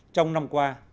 trong năm qua